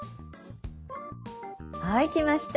はいきました。